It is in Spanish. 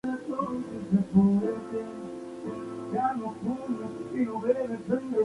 Este se puede ver en la página oficial argentina del grupo.